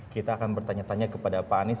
kita akan bertanya tanya kepada pak anies